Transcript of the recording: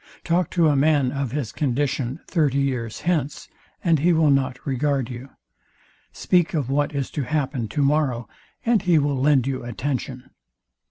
Talk to a man of his condition thirty years hence, and he will not regard you. Speak of what is to happen tomorrow, and he will lend you attention.